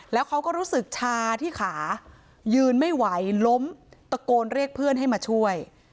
แล้วเขาก็รู้สึกชาที่ขายืนไม่ไหวล้มตะโกนเรียกเพื่อนให้มาช่วย